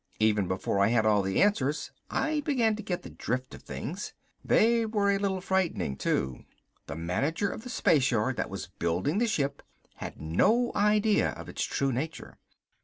Even before I had all the answers I began to get the drift of things. They were a little frightening, too. The manager of the spaceyard that was building the ship had no idea of its true nature.